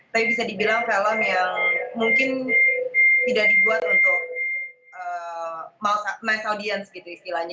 tapi bisa dibilang film yang mungkin tidak dibuat untuk mass audience gitu istilahnya